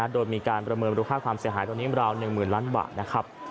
โดยมีการประเมินบริคาความเสียหายตัวนี้ราวน์๑๐๐๐๐ล้านบาท